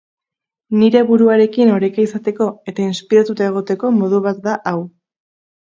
Nire buruarekin oreka izateko eta inspiratuta egoteko modu bat da hau.